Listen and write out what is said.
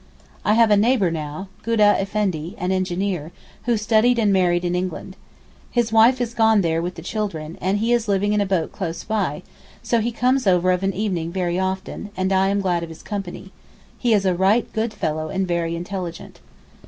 I have a neighbour now, Goodah Effendi, an engineer, who studied and married in England. His wife is gone there with the children, and he is living in a boat close by; so he comes over of an evening very often, and I am glad of his company: he is a right good fellow and very intelligent.